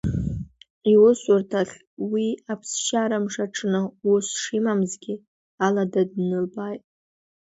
Иусурҭахь уи аԥсшьарамш аҽны ус шимамзгьы, алада длыбааит.